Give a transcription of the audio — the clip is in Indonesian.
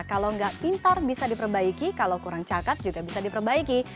kalau nggak pintar bisa diperbaiki kalau kurang cakat juga bisa diperbaiki